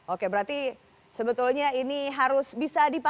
oke berarti sebetulnya ini harus bisa dipahami